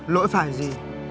lỗi phải gì